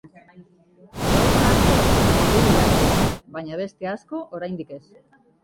Gauza asko dakizkigu ilargiaz, baina beste asko oraindik ez.